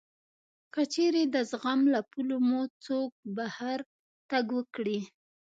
که چېرې د زغم له پولو مو څوک بهر تګ وکړي